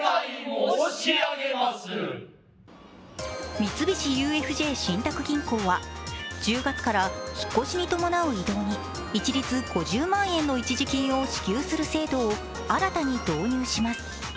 三菱ＵＦＪ信託銀行は１０月から引っ越しを伴う異動に一律５０万円の一時金を支給する制度を新たに導入します。